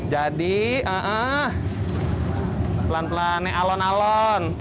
jadi pelan pelan alon alon